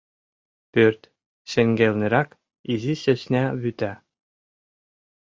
Пӧрт шеҥгелнырак — изи сӧсна вӱта.